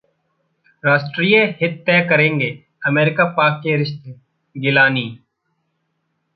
राष्ट्रीय हित तय करेंगे अमेरिका-पाक के रिश्ते: गिलानी